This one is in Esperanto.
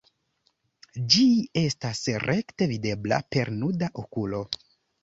Ĝi estas rekte videbla per nuda okulo.